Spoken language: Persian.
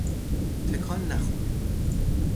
تکان نخور!